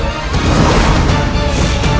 aku akan mencari dia